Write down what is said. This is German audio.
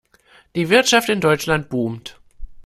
Die Wirtschaft in Deutschland boomt.